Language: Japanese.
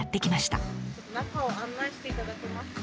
中を案内していただけますか？